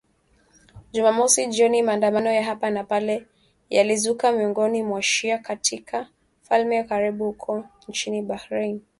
Jumamosi jioni maandamano ya hapa na pale yalizuka miongoni mwa wa-shia katika ufalme wa karibu huko nchini Bahrain